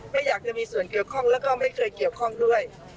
ไม่อยากจะมีส่วนเกี่ยวข้องแล้วก็ไม่เคยเกี่ยวข้องด้วย